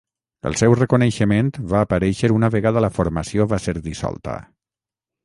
El seu reconeixement va aparèixer una vegada la formació va ser dissolta.